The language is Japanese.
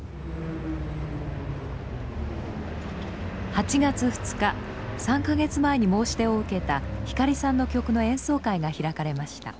８月２日３か月前に申し出を受けた光さんの曲の演奏会が開かれました。